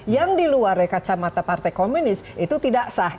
yang di luar kacamata partai komunis itu tidak sah